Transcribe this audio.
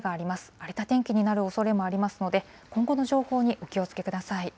荒れた天気になるおそれもありますので、今後の情報にお気をつけください。